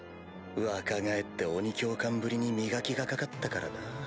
若返って鬼教官ぶりに磨きがかかったからなぁ。